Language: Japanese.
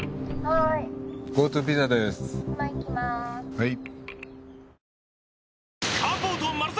はい。